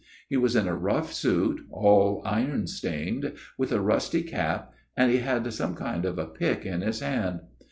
He was in a rough suit, all iron stained; with a rusty cap; and he had some kind of a pick in his hand.